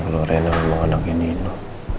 kalau rena memang anaknya nino